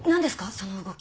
その動き。